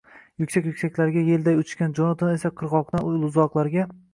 Yuksak-yuksaklarda yelday uchgan Jonatan esa qirg‘oqdan uzoqlarga